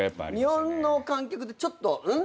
日本の観客ってちょっとうん？